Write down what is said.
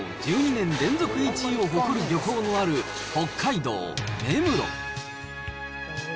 １２年連続１位を誇る漁港のある北海道根室。